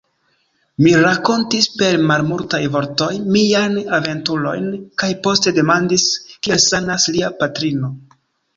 Mi rankontis per malmultaj vortoj miajn aventurojn kaj poste demandis, kiel sanas lia patrino.